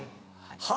はい。